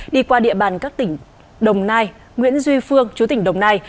đi qua địa bàn các tỉnh đồng nai nguyễn duy phương chú tỉnh đồng nai